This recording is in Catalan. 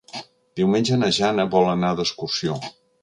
Diumenge na Jana vol anar d'excursió.